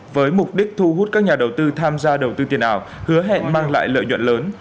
với mục đích thu hút các nhà đầu tư tham gia đầu tư tiền ảo hứa hẹn mang lại lợi nhuận lớn